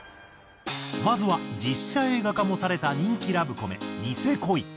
まずは実写映画化もされた人気ラブコメ『ニセコイ：』。